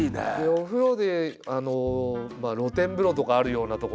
お風呂で露天風呂とかあるような所